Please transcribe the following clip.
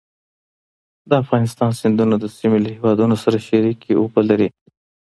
د افغانستان سیندونه د سیمې له هېوادونو سره شریکې اوبه لري.